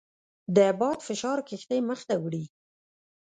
د باد فشار کښتۍ مخ ته وړي.